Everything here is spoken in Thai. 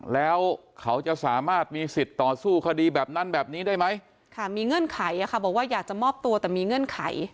แล้วเขาจะสามารถมีสิทธิ์ต่อสู้คดีแบบนั้นแบบนี้ได้ไหมค่ะมีเงื่อนไขอ่ะค่ะบอกว่าอยากจะมอบตัวแต่มีเงื่อนไข